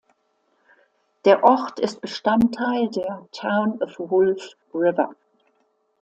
Der Ort ist Bestandteil der Town of Wolf River.